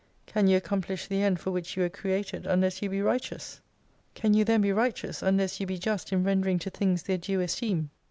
Can you accomplish the end for which you were created, unless you be Righteous ? Can you then 8 be Righteous, unless you be just in rendering to Things their due esteem